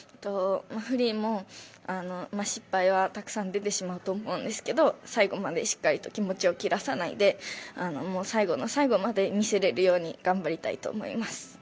フリーも失敗はたくさん出てしまうと思うんですが最後までしっかりと気持ちを切らさないで最後の最後まで見せれるように頑張りたいと思います。